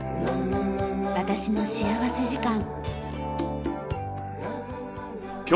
『私の幸福時間』。